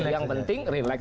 yang penting relax